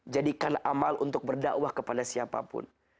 jadikan amal untuk berdakwah kepada siapapun